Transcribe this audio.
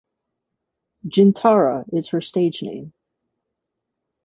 Jintara is her stage name.